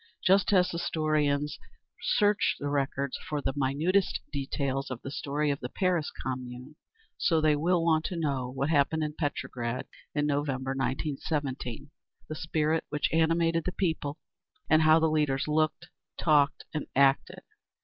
Just as historians search the records for the minutest details of the story of the Paris Commune, so they will want to know what happened in Petrograd in November, 1917, the spirit which animated the people, and how the leaders looked, talked and acted.